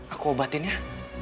aku obatin ya